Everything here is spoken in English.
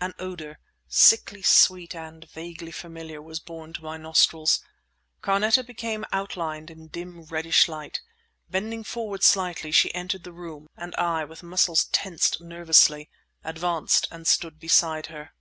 An odour, sickly sweet and vaguely familiar, was borne to my nostrils. Carneta became outlined in dim, reddish light. Bending forward slightly, she entered the room, and I, with muscles tensed nervously, advanced and stood beside her.